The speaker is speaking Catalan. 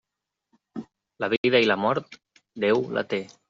La vida i la mort, Déu la té.